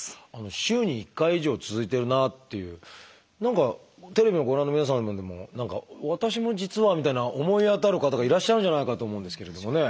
週に１回以上続いてるなっていう何かテレビをご覧の皆さんでも何か「私も実は」みたいな思い当たる方がいらっしゃるんじゃないかと思うんですけれどもね。